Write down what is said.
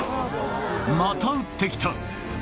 また撃って来た！